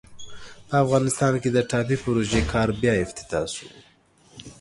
په افغانستان کې د ټاپي پروژې کار بیا افتتاح سو.